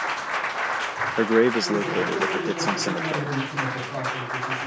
Her grave is located at the Hietzing Cemetery.